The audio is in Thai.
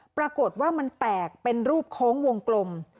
ปรากฏว่ามันแตกเป็นรูปโค้งวงกลม